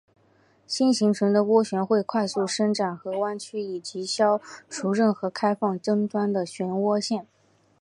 新形成的涡旋会快速伸展和弯曲以消除任何开放终端的涡旋线。